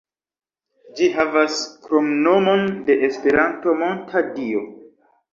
Ĝi havas kromnomon de Esperanto, "Monta Dio".